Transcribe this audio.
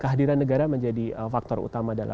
kehadiran negara menjadi faktor utama dalam